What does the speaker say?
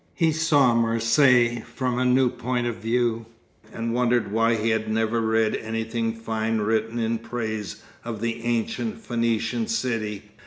He saw Marseilles from a new point of view, and wondered why he had never read anything fine written in praise of the ancient Phoenician city.